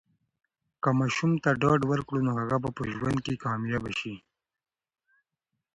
که ماشوم ته ډاډ ورکړو، نو هغه به په ژوند کې کامیاب سي.